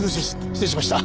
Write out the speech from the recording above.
失礼しました。